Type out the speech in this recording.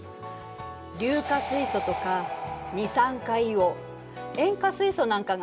硫化水素とか二酸化硫黄塩化水素なんかがそうね。